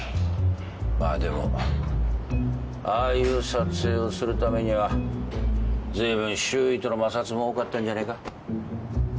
まあでもああいう撮影をするためにはずいぶん周囲との摩擦も多かったんじゃねえか？